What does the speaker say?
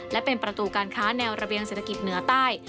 และเป็นประตูการค้าแนวระเบียงเศรษฐกิจเหนือใต้